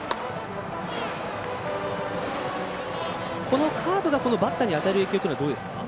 このカーブがこのバッターに与える影響というのはどうですか？